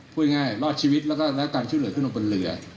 พูดง่ายรอดชีวิตแล้วก็ได้รับการช่วยเหลือขึ้นลงบนเรือ